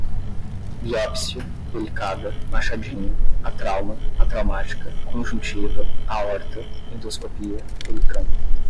biópsia, delicada, machadinho, atrauma, atraumática, conjuntiva, aorta, endoscopia, pelicano